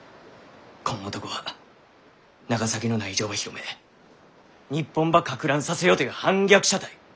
こん男は長崎の内情ば広め日本ばかく乱させようという反逆者たい。